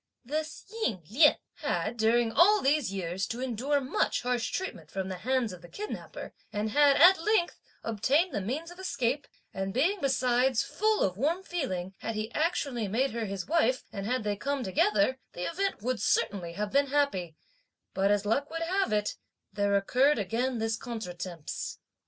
"This Ying Lien had, during all these years, to endure much harsh treatment from the hands of the kidnapper, and had, at length, obtained the means of escape; and being besides full of warm feeling, had he actually made her his wife, and had they come together, the event would certainly have been happy; but, as luck would have it, there occurred again this contretemps.